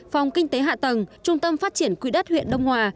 phòng kinh tế hạ tầng trung tâm phát triển quỹ đất huyện đông hòa